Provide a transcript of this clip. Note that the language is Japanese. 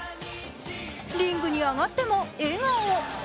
リングに上がっても笑顔。